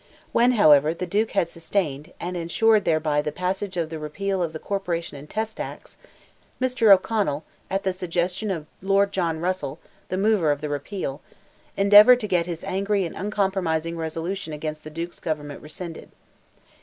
When, however, the Duke had sustained, and ensured thereby the passage of the repeal of "the Corporation and Test Acts," Mr. O'Connell, at the suggestion of Lord John Russell the mover of the repeal, endeavoured to get his angry and uncompromising resolution against the Duke's government rescinded.